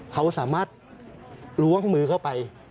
เขาสามารถล้วงมือเข้าไป